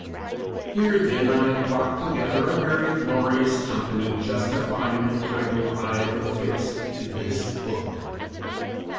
Here then I have brought together a very glorious company justifying the title I have affixed to this book.